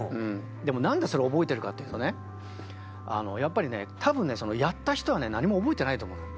でも何でそれを覚えてるかっていうとねやっぱりねたぶんねやった人は何も覚えてないと思うのよ。